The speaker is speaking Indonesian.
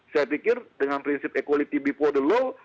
saya pikir dengan prinsip equality before the law